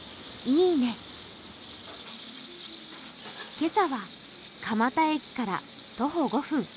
今朝は、蒲田駅から徒歩５分